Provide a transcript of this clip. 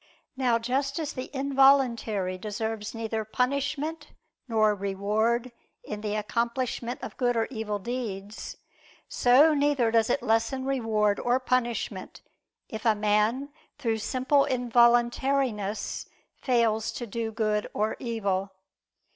Now just as the involuntary deserves neither punishment nor reward in the accomplishment of good or evil deeds, so neither does it lessen reward or punishment, if a man through simple involuntariness fail to do good or evil.